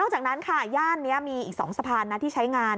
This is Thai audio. จากนั้นค่ะย่านนี้มีอีก๒สะพานนะที่ใช้งาน